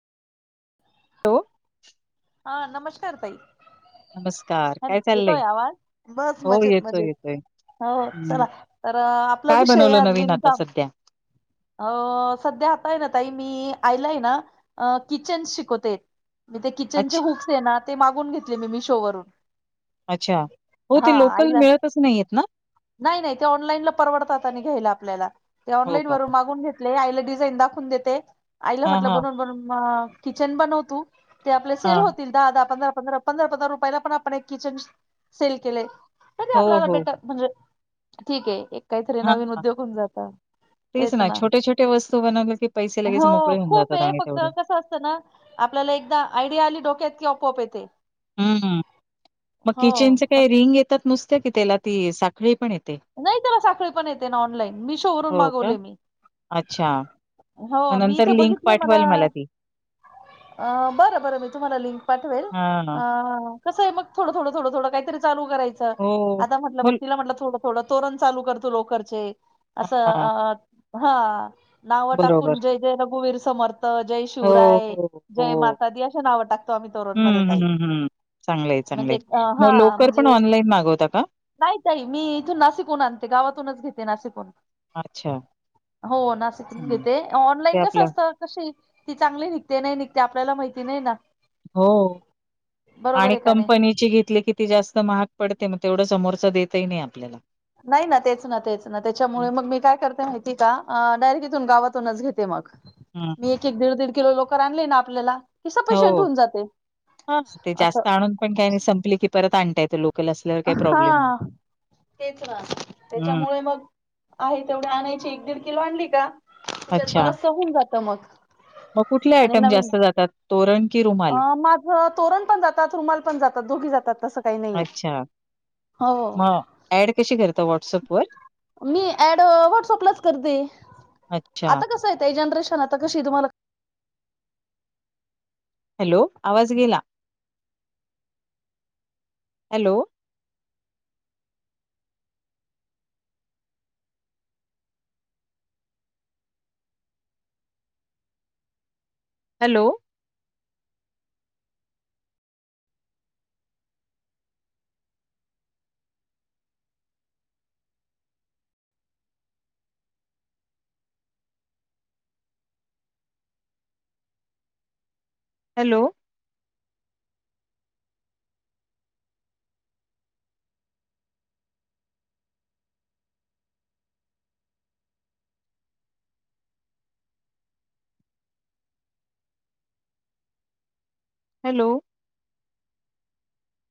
Hello. हा नमस्कार तई. नमस्कार काय चाललंय येतोय आवाज बस हो मजेत येतोय मजेत. येतोय हो हम्म चला तर आपला काय विषय बनवलं आज नवीन बिन आता जा. सध्या अ सध्या आता आहे ना ताई मी आयलाय ना किचन शिकवते. मी ते किचनचे अच्छ हुक्स आहे ना ते मागून घेतले मी मी शो वरून. अच्छा हो हा ते लोकल आईला मिळतच नाही य. नाही नाही ते ऑनलाईन ला परवडतातनी घ्यायला आपल्याला ते हो ऑनलाईन का वूनग. ाून घेतले आईला डिझाईन दाखवून देते आईला हां म्हटलं हां बनून बनून किचन बनवतू. ते आपल्या सेल हां होतील. दहा दहा पंधरा पंधरा पंधरा पंधरा रुपयाला पण आपण एक किचन सेल केलंय. नाही नाही हो आपल्याला हो भेटत म्हणजे ठीक आहे. काहीतरी नवीन हां उद्योग होऊन जातात तेच ना. वस्तू बनावली. हो खूप आहे फक्त कसं असतं ना. आपल्याला एकदा आयडिया आली डोक्यात की आपपोआप येते. हम्म मग हो किचनचे काही फक्त- रिंग येतात नुसत्या कि त्याला ती साखळी पण येते. नाही त्याला साखळी पण येते ऑलाईन म मि रून हो का मागवले मी अच्छा हो मग मी नंतर इथे लिंक बघितले मला. पाठवाल ती अ बरं बरं मी तुम्हाला लिंक पाठवेल हां अ. कसं मग थोडं थोड थडं थोड कारीचालू कयचं हो आता म्हटलं म मग ति म्हटलं थोडं. थोडं तोरण चालू करतो लोकरचे असं हां अ हा. नाव टाकून बरोबर जय जय रघुवीर समर्थ. जय हो, शिवराय हो, जय हो. मातादी अे नाव टाकतो आम्ही तरोरण मध्ये हं, ताई. हं, हं. चांगलं आहे म्हणजे चांगलंय अ, मग हा लोकर पण म्हणजे ऑनलाईन मागवता का. नाही तई मी इथून नासिकून आणते गावातूनच घेते नासिकोून. अच्छा, हो नाशिकच चांगलं. घेते ते ऑनलाईन कसं आपलं असतं. कशी ती चांगली निघते नाही निघते आपल्याला माहिती नाही ना. हो बरोबर आणि आहे का नाही कंपनीची घेतली किती. ती जास्त महाग पडते मग तेवढं समोरच देतही नाही आपल्याला. नाही ना. तेच ना तेच ना हं, त्याच्यामुळे मग मी काय करते माहिती का डायरेक्ट इथून गावातूनच घेते मग. [unintelligible] मी एक एक दीड दीड किलोकर आणले ना आपल्याला. की हो सफिशियंट होऊन जाते हा ते असं जास्त आणून पण काही नाही संपले की परत आणता येतो लोक. हा तेच रा हं, त्याच्यामुळे मग. आहे तेवढ्या आणायची एक दीड किलो आणली का त्याच्यात बरा अच्छा. सहून जातं मग. मग कुठले आणि आयटम नवीन जास्त जातात तोरण की अ रुमाल. तोरण पण जातात, रुमाल पण जातात दोघी जातात [unintelligible] अच्छा, हो मग ऍड कशी करता? व्हॉट्सअप वर? मी ऍड व्हॉट्सअपलाच करते अच्छा. आता कसं येत जनरेशन आता कशी आहे तू हॅलो, आवाज गेला... हॅलो. Hello, hello. हॅलो.